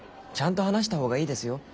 ちゃんと話した方がいいですよ